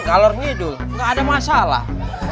kalau hidul gak ada masalah